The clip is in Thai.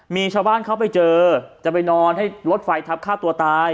มีชาวบ้านเขาไปเจอจะไปนอนให้รถไฟทับฆ่าตัวตาย